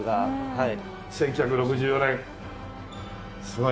はい。